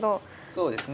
そうですね。